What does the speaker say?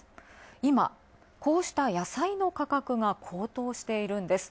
今、こうした野菜の価格が高騰しているんです。